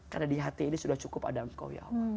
karena di hati ini sudah cukup ada engkau